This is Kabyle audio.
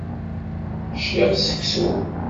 Ččiɣ seksu.